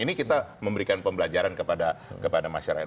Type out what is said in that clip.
ini kita memberikan pembelajaran kepada masyarakat